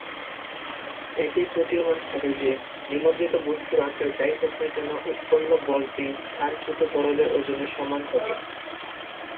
এতেই প্রতীয়মান হবে যে নিমজ্জিত বস্তুর আকার যাই হোক না কেন উৎপন্ন বলটি স্থানচ্যুত তরলের ওজনের সমান হবে।